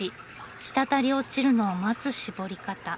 滴り落ちるのを待つしぼり方。